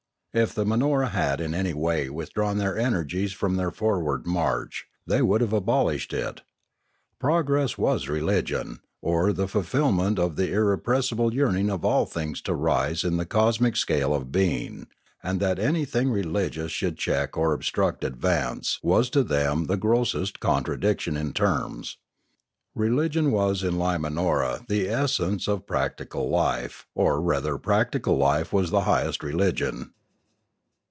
If the Man ora had in any way withdrawn their energies from 694 The Last Flight 695 their forward march, they would have abolished it. Progress was religion, or the fulfilment of the irrepress ible yearning of all things to rise in the cosmic scale of being, and that anything religious should check or obstruct advance was to them the grossest contradic tion in terms. Religion was in Limanora the essence of practical life, or rather practical life was the highest religion.